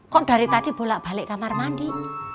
kok dari tadi bolak balik kamar mandi